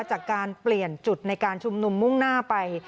จากการเปลี่ยนจุดในการชุมนุมมุ่งหน้าไป